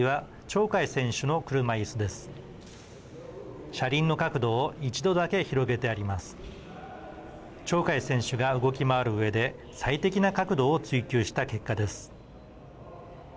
鳥海選手が動き回るうえで最適な角度を追求した結果です。